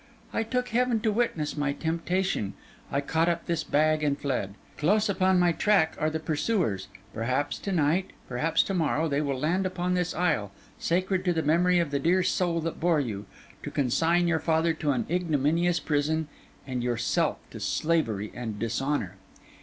—I took Heaven to witness my temptation; I caught up this bag and fled. Close upon my track are the pursuers; perhaps to night, perhaps to morrow, they will land upon this isle, sacred to the memory of the dear soul that bore you, to consign your father to an ignominious prison, and yourself to slavery and dishonour.